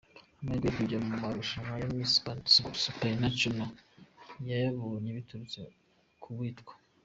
Amahirwe yo kujya mu marushanwa ya Miss Supuranashono yayabonye biturutse k’uwitwa